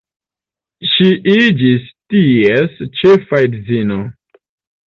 Ŝi iĝis ties ĉefa edzino.